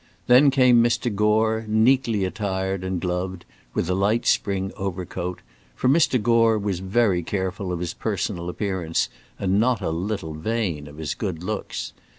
Then came Mr. Gore, neatly attired and gloved, with a light spring overcoat; for Mr. Gore was very careful of his personal appearance, and not a little vain of his good looks.